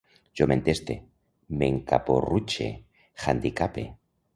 Jo m'enteste, m'encaporrutxe, handicape